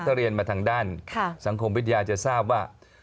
ถ้าเรียนมาทางด้านสังคมวิทยาจะทราบว่า